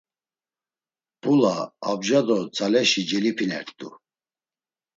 Mp̌ula, abja do tzaleşi celipinert̆u.